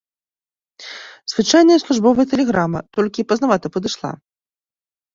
Звычайная службовая тэлеграма, толькі пазнавата падышла.